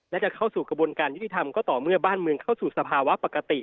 และจะเข้าสู่กระบวนการยุติธรรมก็ต่อเมื่อบ้านเมืองเข้าสู่สภาวะปกติ